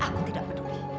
aku tidak peduli